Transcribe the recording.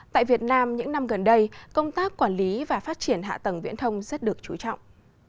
tại việt nam những năm gần đây công tác quản lý và phát triển hạ tầng viễn thông rất được trú trọng